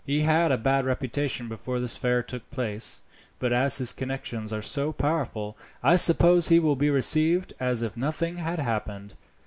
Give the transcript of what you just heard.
He had a bad reputation before this affair took place, but as his connections are so powerful, I suppose he will be received as if nothing had happened.